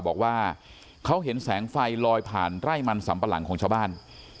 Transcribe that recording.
บอกว่าเขาเห็นแสงไฟลอยผ่านไร่มันสัมปะหลังของชาวบ้าน